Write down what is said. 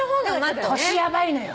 腰ヤバいのよ。